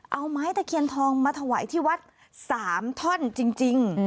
เอาไม้ตะเคียนทองมาถวายที่วัด๓ท่อนจริง